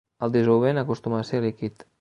El dissolvent acostuma a ser líquid.